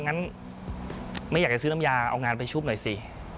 งั้นไม่อยากจะซื้อน้ำยาเอางานไปชุบหน่อยสิ